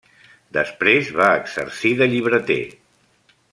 Després va exercir de llibreter.